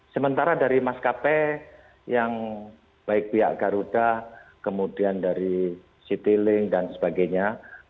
sementara dari maskapai yang baik pihak garuda kemudian dari citylink dan sebagainya